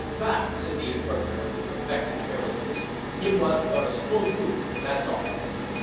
"Bah!" said the interpreter, with affected carelessness, "him was but a slow brute, after all."